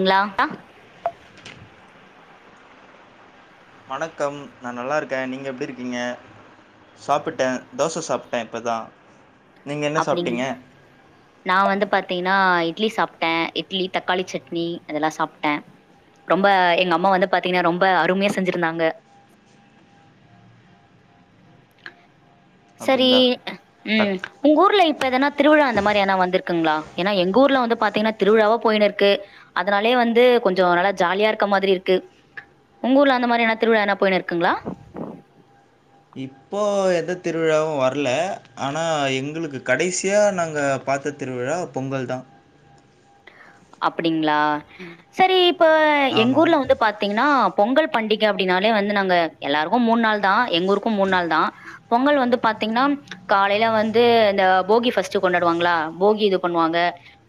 ங்களா க்கா வணக்கம் நா நல்லா இருக்கே நீங்க எப்டி இருக்கீங்க சாப்பிட்டே தோச சாப்பிட்டே இப்போ தான் நீங்கள் என்ன அப்டிங் சாப்பிட்டீங்க நா வந்து பாத்தீங்கனா இட்லி சாப்ட்ட இட்லி தக்காளி சட்னி அதெல்லா சாப்ட்ட ரொம்ப எங்க அம்மா வந்து பாத்தீங்கனா ரொம்ப அருமையா செஞ்சிருந்தாங்க சரி அப்படிங்களா டக் ம் உங்க ஊர்ல இப்ப எதனா திருவிழா அந்த மாரினா வந்துரு இருக்குங்களா ஏனா எங்க ஊர்ல வந்து பாத்தீங்கனா திருவிழாவா போயினு ‌‌இருக்கு அதனாலயே வந்து கொஞ்ஜோ நல்லா ஜாலியா இருக்க மாதிரி இருக்கு உங்க ஊர்ல அந்த மாதிரியான திருவிழா எதுனா போயனு இருக்குங்களா இப்போ எந்த திருவிழாவும் வரல ஆனா எங்குளுக்கு கடைசியா நாங்க பாத்த திருவிழா பொங்கல் தா அப்படிங்ளா சரி இப்போ எங்க ஆமாம் ஊர்ல வந்து பாத்தீங்கன்னா பொங்கல் பண்டிகை அப்படின்னாலே வந்து நாங்க எல்லாருக்கும் மூணு நாள் தான் எங்க ஊருக்கும் மூணு நாள் தான் பொங்கல் வந்து பாத்தீங்கன்னா காலையில வந்து இந்த போகி ஃபர்ஸ்ட் கொண்டாடுவாங்களா போகி இது பண்ணுவாங்க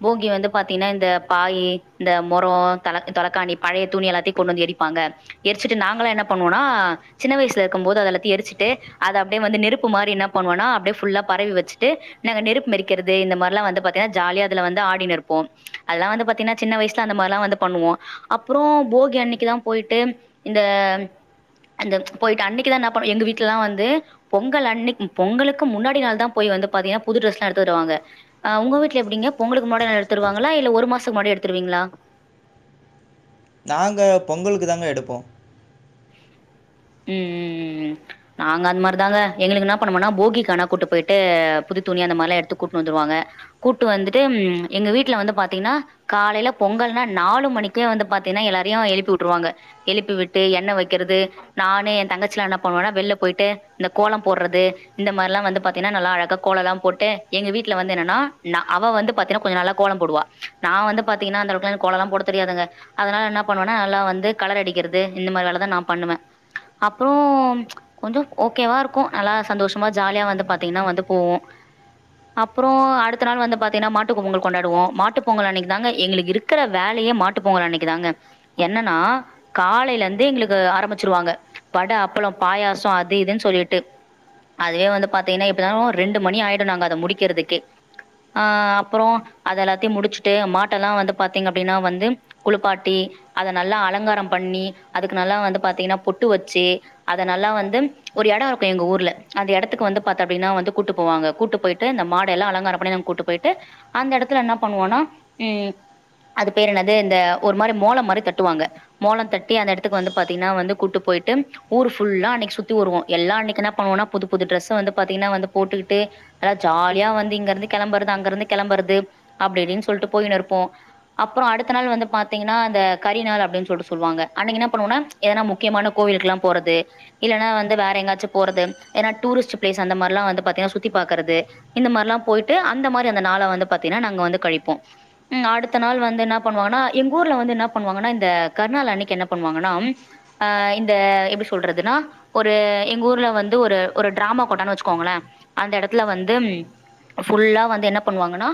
போகி வந்து பாத்தீங்கன்னா இந்த பாய் இந்த முரம் தலை தலைக்காணி பழைய துணி எல்லாத்தையும் கொண்டு வந்து எரிப்பாங்க எரிச்சுட்டு நாங்களாம் என்ன பண்ணுவோனா சின்ன வயசல இருக்கும் போது அதெல்லாத்தையும் எரிச்சிட்டு அத அப்படியே வந்து நெருப்பு மாதிரி என்ன பண்ணுவோனா அப்படியே ஃபுல்லா பரவி வச்சுட்டு நாங்க நெருப்பு மிதிக்கிறது இந்த மாதிரி எல்லாம் வந்து பாத்தீங்கன்னா ஜாலியா அதுல வந்து ஆடி நிப்போம் அதெல்லாம் வந்து பாத்தீங்கன்னா சின்ன வயசுல அந்த மாதிரிலாம் வந்து பண்ணுவோம் அப்புறம் போகி அன்னைக்குதான் போயிட்டு இந்த அங்க போயிட்டு அன்னைக்குதான் நான் எங்க வீட்டுல எல்லாம் வந்து பொங்கல் அன்னைக்கு தா பொங்கலக்கு முன்னாடி நாள் தான் போய் வந்து பாத்தீங்கன்னா புது டிரரெஸ் எல்லாம் எடுத்து வருவாங்க ஹ உங்க வீட்டுல எப்படிங்க பொங்களுக்கு முன்னாடி நாள் எடுத்துருவாங்களா ல்ல ஒரு மாசத்துக்கு முன்னாடி எடுத்துருவீங்களா நாங்க பொங்கலுக்கு தாங்க எடுப்போம் உம் உம் உம் நாங்க அந்த மாதிரிதாங்க எங்களுக்கு என்ன பண்ணுவோம்னா போகிக்கானா கூட்டு போயிட்டு புது துணி அந்த மாதிரி எல்லாம் எடுத்து கூப்பிட்டு வந்துருவாங்க கூப்பிட்டு வந்துட்டு எங்க வீட்டுல வந்து பாத்தீங்கன்னா காலையில பொங்கல்னா நாலு மணிக்கே வந்து பாத்தீங்கன்னா எல்லாரையும் எழுப்பி வுட்டுருவாங்க எழுப்பி விட்டு எண்ணெய் வைக்கிறது நானு என் தங்கச்சியில என்ன பண்ணுவன்னா வெளில போயிட்டு இந்த கோலம் போடுறது இந்த மாதிரி எல்லாம் வந்து பாத்தீங்கன்னா நல்லா அழகா கோலம்ல்லாம் போட்டு எங்க வீட்டுல வந்து என்னன்னா ந அவ வந்து பாத்தீங்கன்னா கொஞ்ச நல்ல கோலம் போடுவா நான் வந்து பாத்தீங்கன்னா அந்தளக்குல கோலம் எல்லாம் போட தெரியாதுங்க அதனால என்ன பண்ணுவன்னா நல்லா வந்து கலர் அடிக்கிறது இந்த மாதிரி வேலதான் நான் பண்ணுவேன் அப்புறம் கொஞ்சோ ஓக்கேவா இருக்கும் நல்லா சந்தோஷமா ஜாலியா வந்து பாத்தீங்கன்னா வந்து போவோம் அப்புறம் அடுத்த நாள் வந்து பாத்தீங்கன்னா மாட்டு பொங்கல் கொண்டாடுவோம் மாட்டு பொங்கல் அன்னைக்குதாங்க எங்களுக்கு இருக்கிற வேலையே மாட்டு பொங்கல் அன்னைக்குதாங்க என்னன்னா காலையில இருந்து எங்களுக்கு ஆரம்பிச்சிருவாங்க வட அப்பளம் பாயாசம் அது இதுன்னு சொல்லிட்டு அதுவே வந்து பாத்தீங்கன்னா இப்படி ரெண்டு மணி ஆயிடும் நாங்க அத முடிக்கிறதுக்கு ஆஹ் அப்புறம் அத எல்லாத்தையும் முடிச்சுட்டு மாட்டை எல்லாம் வந்து பாத்தீங்க அப்படின்னா வந்து குளிப்பாட்டி அத நல்லா அலங்காரம் பண்ணி அதுக்கு நல்லா வந்து பாத்தீங்கன்னா பொட் ட்டு வச்சு அத நல்லா வந்து ஒரு இடம் இருக்கும் எங்க ஊர்ல அந்த எடத்துக்கு வந்து அப்பா வந்து கூட்டு போவாங்க கூட்டு போயிட்டு இந்த மாட எல்லாம் அலங்காரம் பண்ணி கூட்ட்டு போயிட்டு அந்த எடத்துல என்ன பண்ணுவோம்னா அது பேர் என்னது இந்த ஒரு மாதிரி மோளம் மாதிரி தட்டுவாங்க மோளம் தட்டி அந்த எடத்துக்கு வந்து பாத்தீங்ன்னா கூட்டு போயிட்டு ஊர் ஃபுல்லா அன்னைக்கு சுத்தி வருவோம் எல்லா அன்னைக்கு தா என்ன பண்ணுவோம்னா புது புது ட்ரெஸ் வந்து பாதிங்கன்னா ஜாலியா வந்து இங்கருந்து கெளம்புறது அங்கிருந்து கெளம்புறது அப்டி இப்டினு சொல்லி போயிண்டு இருப்போம் அப்றம் அடுத்த நாள் வந்து பாத்திங்கன்னா இந்த கறி நாள் அப்டினு சொல்லிட்டு சொல்லுவாங்க அன்னைக்கு என்ன பண்ணுவோம்னா எதோ முக்கியமா கோவிலுகெல்லாம் போறது இல்லனா வந்து வேற எங்காச்சும் போறது இல்லனா டூரிஸ்ட் பிலேஸ் அந்த மாதிரி எல்லா சுத்தி பாக்றது இந்த மாதிரலாம் போய்ட்டு அந்த மாதிரி அந்த நாள வந்து பாத்திங்கன்னா நாங்க வந்து கழிப்போம் அடுத்த நாள் வந்து என்ன பண்ணுவோம்னா எங்க ஊர்ல என்ன பண்ணுவோனா எங்க ஊர்ல வந்து என்ன பண்ணுவாங்கனா இந்த கரு நாள் அன்னைக்கு என்ன பண்ணுவாங்கன்னா ஆஹ் எப்படி சொல்றதுனா ஒரு எங்க ஊர்ல வந்து ஒரு டிராம கொட்டனு வச்சுகோங்கள அந்த இடத்துல வந்து ஃபுல்லா என்ன பண்ணுவாங்கன்னா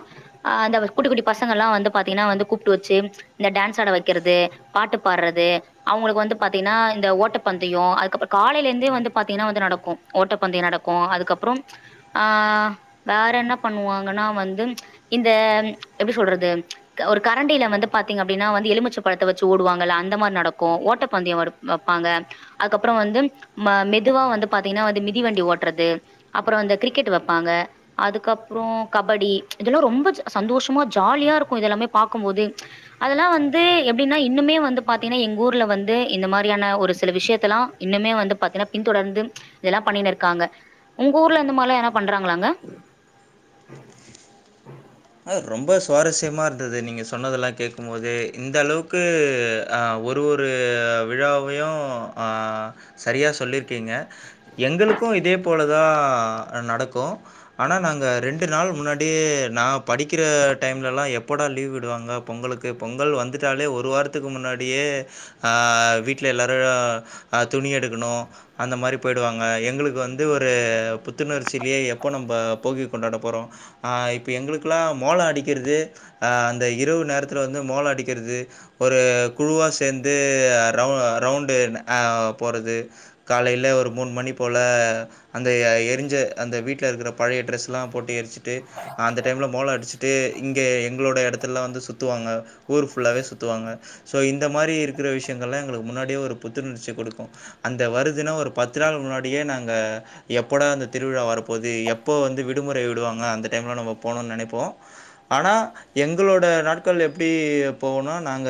ஒரு குட்டி குட்டி பசங்கல்லாம் வந்து பாத்திங்கன்னா கூப்பிட்டு வச்சு இந்த டான்ஸ் ஆட வைக்கிறது பாட்டு பாடுறது அவங்களுக்கு வந்து பாத்திங்கன்னா இந் ஓட்டப்பந்தயம் அதுக்கப்புறம் காலையில இருந்தே வந்து பா்த்தீங்கன்னா வந்து நடக்கும் ஓட்டப்பந்தயம் நடக்கும் அதுக்கப்புறம் ஆஹ் வேற என்ன பண்ணுவாங்கன்னா வந்து இந்த எப்படி சொல்றது ஒரு கரண்டியில வந்து பாத்தீங்க அப்படின்னா வந்து எலுமிச்ச பழத்த வச்சு ஓடுவாங்கல்ல அந்த மாதிரி நடக்கும் ஓட்டப்பந்தயம் வைப்பாங்க அதுக்கப்புறம் வந்து மெதுவா வந்து பாத்தீங்கன்னா வந்து மிதிவண்டி ஓட்டுறது அப்புறம் வந்து கிரிக்கெட் வைப்பாங்க அதுக்கப்புறம் கபடி இதெல்லாம் ரொம்ப சந்தோஷமா ஜாலியா இருக்கும் இதெல்லாமே பாக்கும்போது அதெல்லாம் வந்து எப்படின்னா இன்னுமே வந்து பாத்தீங்கன்னா எங்க ஊர்ல வந்து இந்த மாதிரியான ஒரு சில சில விஷயத்த எல்லாம் இன்னுமே வந்து பாத்தீங்கன்னா பின்தொடர்ந்து இதெல்லாம் பண்ணி இருக்காங்க உங்க ஊர்ல இந்த மாதிரிலாம் பண்றாங்களாங்க ரொம்ப சுவாரஸ்யமா இருந்தது நீங்கள் சொன்னதெல்லாம் கேட்கும்போது இந்த அளவுக்கு ஒரு ஒரு விழாவையும் சரியா சொல்லியிருக்கீங்க எங்களுக்கும் இதே போ போல தான் நடக்கும் ஆனால் நாங்கள் ரெண்டு நாள் முன்னாடி நான் படிக்கிற டைம்லலாம் எப்போடா லீவு விடுவாங்க பொங்கலுக்கு பொங்கல் வந்துட்டாலே ஒரு வாரத்துக்கு முன்னாடியே வீட்ல எல்லோாரு துணி எடுக்கணும் அந்த மாதிரி போயிடுவாங்க எங்களுக்கு வந்து ஒரு புத்துணர்ச்சிலயே எப்போ நம்ம போகி கொண்டாட போறோம் இப்போ எங்களுக் ல மோள அடிக்கிறது அந்த இரவு நேரத்தில் வந்து மோளம் அடிக்கிறது ஒரு குழுவா சேர்ந்து ரவுண்டு போறது காலையில் ஒரு மூணு மணி போல அந்த எரிஞ்ச அந்த வீட்டில இருக்கிற பழைய டிரெஸ் எல்லாம் போட்டு எரிச்சிட்டு அந் டைம்ல மோளம் அடிச்சுட்டு இங்க எங்களோட எடத்து ல்லாம் வந்து சுத்துவாங்க ஊர் ஃபுல்லாவே சுத்துவாங்க சோ இந்த மாதிரி இருக்கிற விஷயங்கள் லாம் எங்களுக்கு முன்னாடியே ஒரு புத்துணர்ச்சி கொடுக்கும் அந்த வருதுன ஒரு பத்து நாள் முன்னாடியே நாங்க ஆஹ் எப்படா அந்த திருவிழா வரு இப்போது எப்போ வந்து விடுமுறை விடுவாங்க அந்த டைம்ல நம்ம போணுனு நெனைப்போம் ஆனா எங்களோட நாட்கள் எப்படி போகுனா நாங்க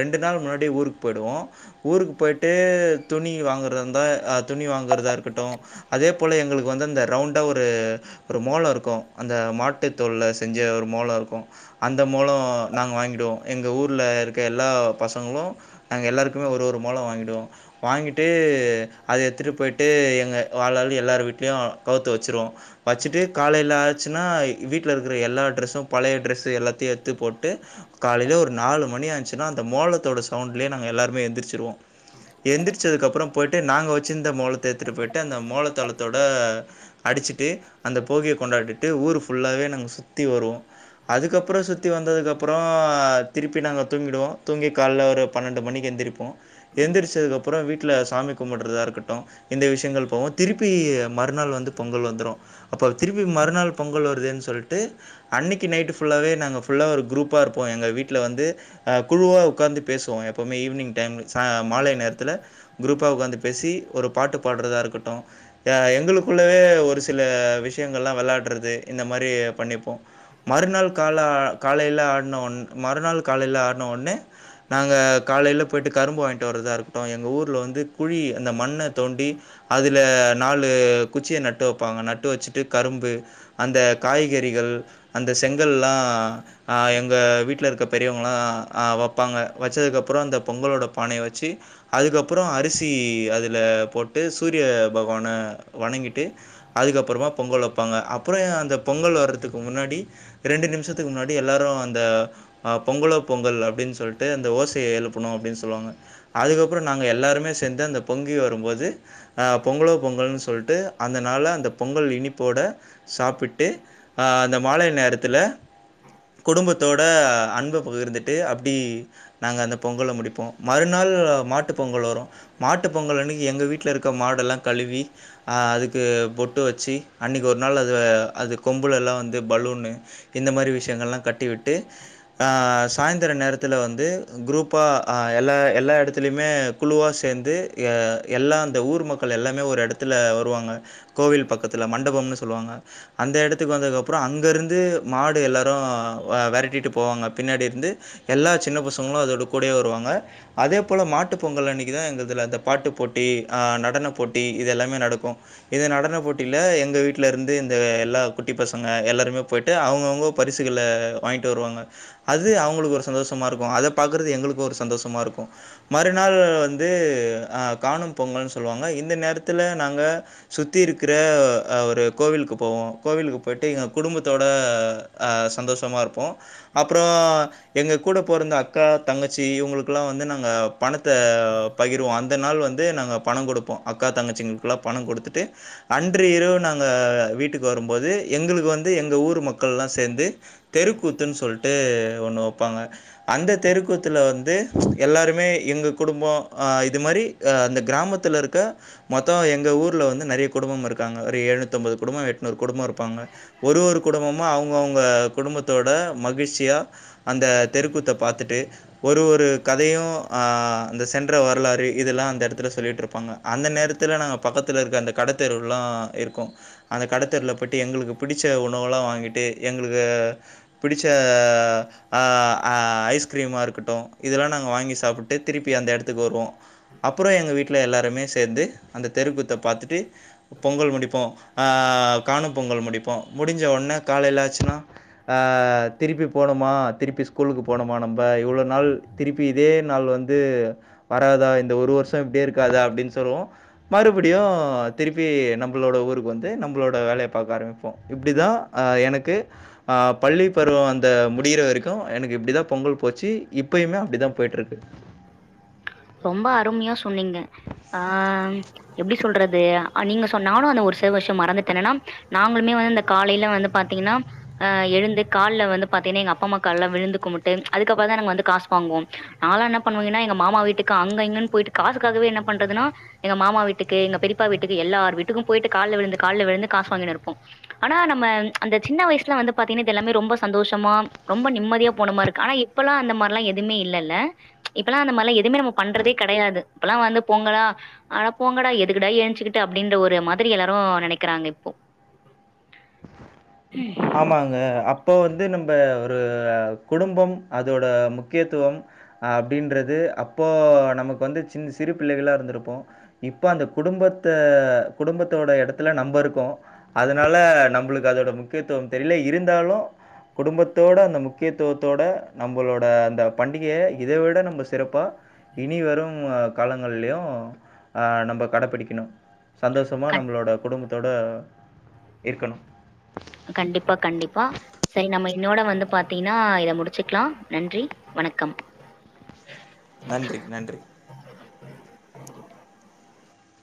ரெண்டு நாள் முன்னாடி ஊருக்கு போயிடுவோம் ஊருக்கு போய்ட்டு துணி வாங்கறத இருந்தா துணி வாங்கிறதா இருக்கட்டும் அதே போல எங்களுக்கு வந்து அந்த ரவுண்டா ஒரு ஒரு மோளம் இருக்கும் அந்த மாட்டுத்தோளில் செஞ்ச ஒரு மோளம் இருக்கும் அந்த மோளம் நாங்க வாங்கிடுவோம் எங்க ஊர்ல இருக்க எல்லா பசங்களும் நாங்க எல்லாருக்குமே ஒரு ஒரு மோளம் வாங்கிடுவோம் வாங்கிட்டு அத எடுத்துகிட்டு போயி்ட்டு எங்க வாளாலும் எல்லார் வீட் வீட்லயும் கவுத்து வச்சுருவோம் வச்சுட்டு காலையில ஆந்துச்சின்னா வீட்டில் இருக்கிற எல்லா ட்ரெஸ்ஸும் பழைய ட்ரெஸ்ஸு எல்லாத்தையும் எடுத்து போட்டு காலையில ஒரு நாலு மணி ஆச்சுனா அந்த மோலத்தோட சவுண்ட்லே நாங்க எல்லோரும எந்திரிசுடுவோம் எந்திரிச்சதுக்கு அப்புறம் போயிட்டு நாங்க வ சிந்த மோலத்த எடுத்துட்டு போயிட்டு அந்த மோலத்த தளத்தோட அடிச்சுட்டு அந்த போகியை கொண்டாடிட்டு விட்டு ஊர் ஃபுல்லாவே நாங்க சுத்தி வருவோம் அதுக்கப்புறம் சுத்தி வந்ததுக்கு அப்புறம் திருப்பி நாங்க தூங்கிடுவோம் தூங்கி காலைல ஒரு பன்னெண்டு மணிக்கு எந்திரிப்போம் எந்திரிச்சதுக்குப்புறம் வீட்டுல சாமி கும்பிடுறதா இருக்கட்டும் இந்த விஷயங்கள் போவோம் திருப்பி மறுநாள் வந்து பொங்கல் வந்துரும் அப்போ திருப்பி மறுநாள் இல்லன்னு சொல்லிட்டு அன்னைக்கு நைட்டு ஃபுல்லாகவே நாங்கள் ஃபுல்லாக ஒரு குரூப்பாக இருப்போம் எங்கள் வீட்டில் வந்து குழுவாக உட்காந்து பேசுவோம் எப்போவுமே ஈவினிங் டைம்ல் ச மாலை நேரத்தில் குரூப்பாக உட்காந்து பேசி ஒரு பாட்டு பாடுறதா இருக்கட்டும் அ எங்களுக்குள்ள ஒரு சில விஷயங்கள்லா விளாட பறது இந்த மாதிரி பண்ணிப்போம் மறுநாள் கால காலையில ஆடின ஒ மறுநாள் காலையில் ஆடின உடனே நாங்கள் காலையில் போயிட்டு கரும்பு வாங்கிட்டு வரதா இருக்கட்டோம் எங்கள் ஊரில் வந்து குழி அந்த மண்ணை தோண்டி அதில் நாலு குச்சியை நட்டு வைப்பாங்க நட்டு வச்சுட்டு கரும்பு அந்த காய்கறிகள் அந்த செங்கல்ல்லா ஆ எங்க வீட்டுல இருக்க பெரியவங்களா அ வைப்பாங்க வச்சதுக்கப்புறம் அந்த பொங்கலோட பானையை வச்சு அதுக்கப்புற அரிசி அதில போட்டு சூரிய பகவானை வணங்கிட்டு அதுக்கப்புறமா பொங்கல் வைப்பாங்க அப் அப்புற அந்த பொங்கல் வர்றதுக்கு முன்னாடி ரெண்டு நிமிஷத்துக்கு முன்னாடி எல்லோரும் அந்த பொங்கலோ பொங்கல் அப்படின்னு சொல்லிட்டு அந்த ஓசையை எழுப்பணு அப்படின்னு சொல்லுவாங்க அதுக்கப்புற நாங்க எல்லாருமே சேர்ந்து அந்த பொங்கி வரும்போது அ பொங்கலோ பொங்கல்ன்னு சொல்லிட்டு அந்தனால அந்த பொங்கல் இனிப்போட சாப்பிட்டு அந்த மாலை நேரத்தில குடும்பத்தோட அன்பை பகிர்ந்துட்டு அப்படி நாங்க அந்த பொங்கலை முடிப்போ மறுநாள் மாட்டுப் பொங்கல் வரும் மாட்டு பொங்கல் அன்னைக்கி எங்கள் வீட்டில் இருக்க மாடெல்லாம் கழுவி அதுக்கு பொட்டு வச்சு அன்னைக்கு ஒரு அந்தக் கொம்புல எல்லாம் வந்து பலூன்னு இந்த மாதிரி விஷயங்கள் எல்லாம் கட்டி விட்டு சாயந்தர நேரத்துல வந்து குருப்பா எல்லா எல்லா இடத்திலையுமே குழுவா சேர்ந்து அந்த ஊர் மக்கள் எல்லாமே ஒரு இடத்துல வருவாங்க கோவில் பக்கத்துல மண்டபன்னு சொல்லுவாங்க அந்த இடத்துக்கு வந்ததுக்கு அப்புற அங்கிருந்து மாடு எல்லாரும் விரட்டிட்டு போவாங்க பின்னாடி இருந்து எல்லா சின்ன பசங்களும் அதோட கூடையே வருவாங்க அதே போல் மாட்டு பொங்கல் அன்னைக்கு தான் எங்கள் இதில அ பாட்டு போட்டி அ நடன போட்டி இது எல்லாமே நடக்கு இந்த இந்த நடன போட்டியில எங்க வீட்ல இருந்து இந்த எல்லா குட்டி பசங்க எல்லாருமே போய்ட்டட்டு அவுங்கவுங்க பரிசுகளை வாங்கிட்டு வருவாங்க அது அவங்களுக்கு ஒரு சந்தோஷமா இருக்கு அத பாக்கறதுக்கு எங்களுக்கு ஒரு சந்தோஷமாக இருக்கு மறுநாள் வந் அ காணும் பொங்கல் சொல்லுவாங்க இந்த நேரத்தில நாங்க சுத்தி இருக்கிற ஒரு கோவிலுக்கு போவோம் கோவிலுக்கு போய்டட்டு எங்கள் குடும்பத்தோட சந்தோஷமா இருப்போ அப்புறம் எங்கள் கூட போறந்த அக்கா தங்கச்சி இவங்களுக்கெலா வந்து நாங்கள் பணத்தை பகிர்வோம் அந்த நாள் வந்து நாங்கள் பணம் கொடுப்போம் அக்கா தங்கச்சிங்களுக்குலா பணம் கொடுத்துட்டு அன்ற இவு நாங்க நாங்கள் வீட்டுக்கு வரும்போது எங்களுக்கு வந்து எங்கள் ஊர் மக்கள்லா சேர்ந்து தெருக்கூத்துன்னு சொல்லிட்டு ஒண்ணு வைப்பாங்க அந்த தெருக்கூத்துல வந்து எல்லாருமே எங்க குடும்பம் இது மாதிரி அந்த கிராமத்தில் இருக்க மொத்தம் எங்கள் ஊரில் வந்து நிறைய குடும்பம் இருக்காங்க ஒரு எழுநூத்தி பத்தொம்பது குடும்பம் எட்நூறு குடும்பம் இருப்பாங்க ஒரு ஒரு குடும்பமும் அவுங்கவுங்க குடும்பத்தோட மகிழ்ச்சியாக அந்த தெருக்கூத்தை பார்த்துட்டு ஒரு ஒரு கதையும் அந்த சென்ற வரலாறு இதெல்லாம் அந்த இடத்துல சொல்லிகிட்டுருப்பாங்க அந்த நேரத்தில நாங்க பக்கத்து இருக்க அந்த கடைத்தெர்வுலா இருக்கு அந்த கடத்தெருல போய்ட்டு எங்களுக்கு பிடிச்ச உணவெல்லா வாங்கிட்டு எங்களுக்கு பிடிச்ச அஅ ஐஸ்கிரீமாக இருக்கட்டு இதெல்லாம் நாங்கள் வாங்கி சாப்பிட்டு திருப்பி அந்த இடத்துக்கு வருவோம் அப்புறம் எங்கள் வீட்டில் எல்லாருமே சேர்ந்து அந்த தெருக்கூத்த பார்த்துட்டு பொங்கல முடிப்போ அஅ காணும் பொங்கல் முடிப்போ முடிஞ்ச உடனே காலைல ஆச்சினா அ திருப்பி போணுமா திருப்பி ஸ்கூலுக்கு போனுமா நம்ப இவுளோ நாள் திருப்பி இதே நாள் வந்து வராதா இந்த ஒரு வர்ஷோ இப்டியே இருக்காதா அப்டின் சொல்வோ மறுபுடியு திருப்பி நம்புளோட ஊரு து நம்ளோட வேலய பாக்க ஆரமிப்போ இப்டிதா ஆஹ் எனக்கு ஆஹ் பள்ளி பருவோ அந்த முடியிற வரைக்கு எனக்கு இப்டிதா பொங்கல் போச்சு இப்பயுமே அப்டிதா போய்ட்ருக்கு ரொம்பா அருமியா சொன்னீங்க ஆஹ்ம் எப்டி சொல்றது அஹ் நீங்க சொன் நானு அந்த ஒரு சில வர்ஷம் மறந்துட்டேனெனாம் நாங்ளுமே வந்து அந்த காலேல வந்து பாத்தீங்குனா அஹ் எழுந்து கால்ல வந்து பாத்தீனே எங்க அப்பா அம்மா கால்ல விழுந்து கும்முட்டு அதுக்கப்புறந்தா எனங் வந்து காஸ் வாங்வோம் நாளானப் பண்ணுவாய்ங்குனா எங்க மாமா வீட்டுக்கு அங்க இங்கன் போய்ட்டு காசுக்காகவே என்ன பண்றதுனா எங்க மாமா வீட்டுக்கு எங்க பெரிப்பா வீட்டுக்கு எல்லார் வீட்டுக்கு போய்ட்டு கால்ல விழுந்து கால்ல விழுந்து காஸ் வாங்கினிருப்போ ஆனா நம்ம அந்த சின்ன வயசுல வந்து பாத்தீங்கு இது எல்லாமே ரொம்போ சந்தோஷமா ரொம்ப நிம்மதியா போனமாருக்கு ஆனா இப்பல்லா அந்த மார்லா எதுமே இல்லல்ல இப்பல்லா அந்த மார்லா எதும்மே நம்மோபண்றதே கெடயாது இப்பல்லா வந்து பொங்கலா ஆனா போங்கடா எதுகுடா என்ச்சுக்கிட்டு அப்டின்ற ஒரு மாதிரி எல்லாரு நெனைக்குறாங்க இப்போ ஆமாங்க அப் போ வந்து நம்ப ஒரு குடும்பம் அதோட முக்கியத்துவம் அப்டின்றது அப்போ நமக்கு வந்து சின் சிறு பிள்ளைகளா இருந்திருப்போ இப்போ அந்த குடும்பத்த குடும்பத்தோட எடத்துல நம்ப இருக்கோ அதுனால நம்ளுக்கு அதோட முக் க்கத்துவம் தெரில இருந்தாலு குடும்பத்தோட அந்த முக்கியத்துவத்தோட நம்புளோட அந்த பண்டிகியே இத விட நம்ப சிறப்பா இனி வரு காலங்கள்லயு ஆஹ் நம்ப கடப்பிடிக்குணு சந்தோஷமா கண் நம்ளோட குடும்ப தோட இருக்கணு கண்டிப்பா கண்டிப்பா சரி நம்ம இன்னோட வந்து பாத்தீங்ன்னா இத முடிச்சுக்லா நன்றி வணக்கம் நன்றி நன்றி